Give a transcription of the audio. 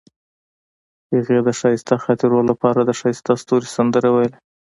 هغې د ښایسته خاطرو لپاره د ښایسته ستوري سندره ویله.